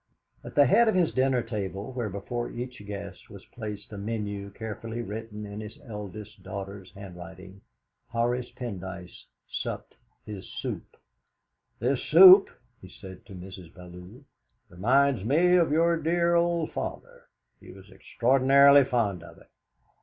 At the head of his dinner table, where before each guest was placed a menu carefully written in his eldest daughter's handwriting, Horace Pendyce supped his soup. "This soup," he said to Mrs. Bellew, "reminds me of your dear old father; he was extraordinarily fond of it.